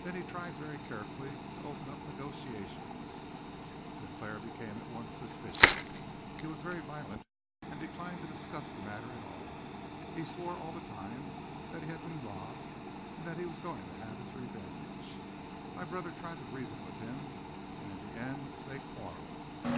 Then he tried very carefully to open up negotiations. Sinclair became at once suspicious. He was very violent, and declined to discuss the matter at all. He swore all the time that he had been robbed, and that he was going to have his revenge. My brother tried to reason with him, and in the end they quarrelled.